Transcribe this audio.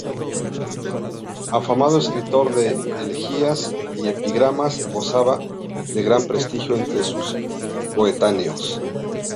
Afamado escritor de elegías y epigramas, gozaba de gran prestigio entre sus coetáneos.